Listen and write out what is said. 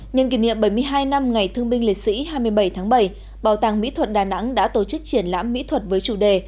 nhân kỷ niệm bảy mươi hai năm ngày thương binh liệt sĩ hai mươi bảy tháng bảy bảo tàng mỹ thuật đà nẵng đã tổ chức triển lãm mỹ thuật với chủ đề